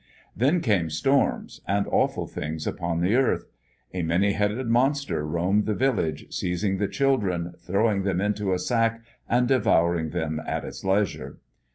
Then came storms, and awful things upon the earth. A many headed monster roamed the village, seizing the children, throwing them into a sack, and devouring them at its leisure.